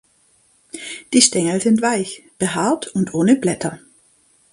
Die Stängel sind weich behaart und ohne Blätter.